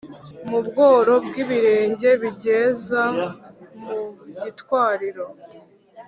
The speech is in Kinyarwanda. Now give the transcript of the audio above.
mu bworo bw’ibirenge bigeza mu gitwariro